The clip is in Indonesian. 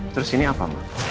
terus ini apa